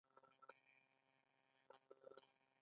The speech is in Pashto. ملي او بين المللي ژوند لپاره هم دی.